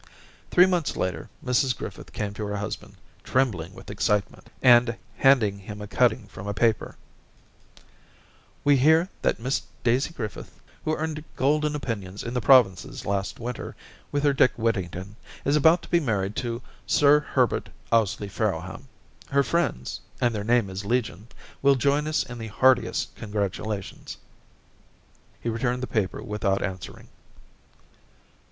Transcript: Three months later. Mrs Griffith came to her husband, trembling with excitement, and handed him a cutting from a paper,— * We hear that Miss Daisy Griffith, who earned golden opinions in the provinces last winter with her Dick Whittington, is about to be married to Sir Herbert Ously Farrowham. Her friends y and their name is legion , will join with us in the heartiest congratulations' He returned the paper without answer ing.